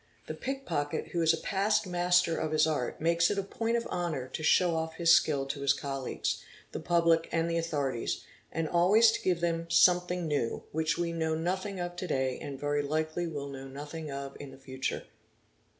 'The pickpocket who is a past master of his art makes it a point of honour to show off his skill ) to his colleagues, the public, and the authorities, and always to give them + "something new'', which we know nothing of to day and very likely | will know nothing of in the future.